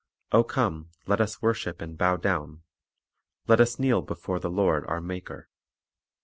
... O come, let us worship and bow down; Let us kneel before the Lord our Maker."